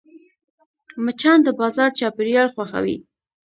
مچان د بازار چاپېریال خوښوي